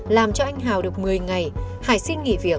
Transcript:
làm cho anh hào được một mươi ngày hải xin nghỉ việc